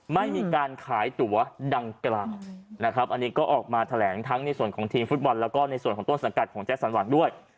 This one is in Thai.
ไม่มีการขายตัวดังกล่าวนะครับอันนี้ก็ออกมาแถลงทั้งในส่วนของทีมฟุตบอลแล้วก็ในส่วนของต้นสังกัดของแจ็คสันหวังด้วย